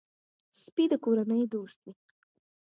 سپي د کورنۍ دوست وي.